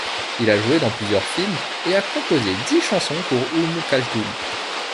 Il a joué dans plusieurs films et a composé dix chansons pour Oum Kalthoum.